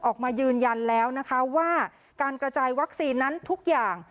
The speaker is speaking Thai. ออกมายืนยันแล้วนะคะว่าการกระจายวัคซีนนั้นทุกอย่าง